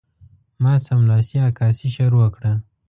ما سملاسي عکاسي شروع کړه.